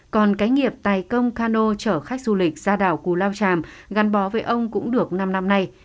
còn cái nghiệp tài công cano chở khách du lịch ra đảo cù lao tràm gắn bó với ông cũng được năm năm nay